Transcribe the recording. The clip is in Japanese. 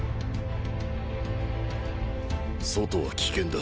外は危険だ。